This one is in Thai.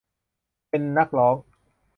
เป็นนักร้อง